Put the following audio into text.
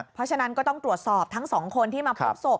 เพราะฉะนั้นก็ต้องตรวจสอบทั้งสองคนที่มาพบศพ